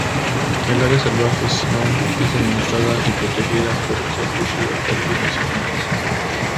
El área salvaje Zion es administrada y protegida por el Servicio de Parques Nacionales.